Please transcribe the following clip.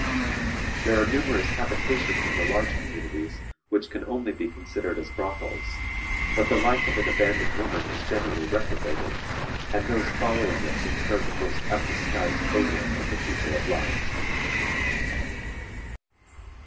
There are numerous habitations in the large communities which can only be considered as brothels, but the life of an abandoned woman is generally reprobated, and those following it incur the most undisguised odium of the people at large.